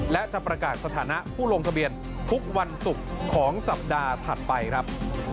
และจะประกาศสถานะผู้ลงทะเบียนทุกวันศุกร์ของสัปดาห์ถัดไปครับ